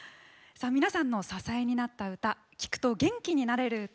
皆さんの支えになった歌聴くと元気になれる歌。